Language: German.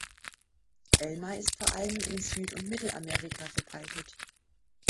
Elma ist vor allem in Süd- und Mittelamerika verbreitet.